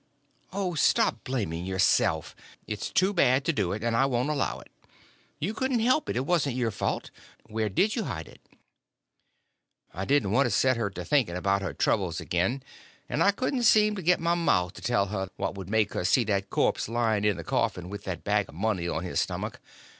"Oh, stop blaming yourself—it's too bad to do it, and I won't allow it—you couldn't help it; it wasn't your fault. Where did you hide it?" I didn't want to set her to thinking about her troubles again; and I couldn't seem to get my mouth to tell her what would make her see that corpse laying in the coffin with that bag of money on his stomach.